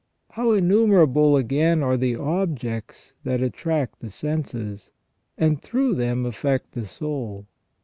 How innumerable, again, are the objects that attract the senses, and through them affect the soul